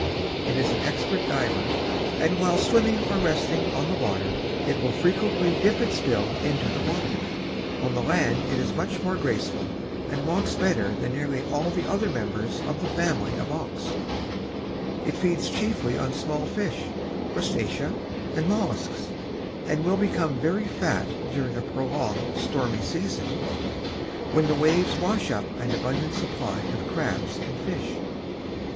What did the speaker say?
It is an expert diver and while swimming or resting on the water it will frequently dip its bill into the water. On the land it is much more graceful and walks better than nearly all the other members of the family of auks. It feeds chiefly on small fish, crustacea and mollusks and will become very fat during a prolonged stormy season when the waves wash up an abundant supply of crabs and fish.